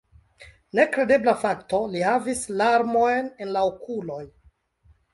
Nekredebla fakto: li havis larmojn en la okuloj!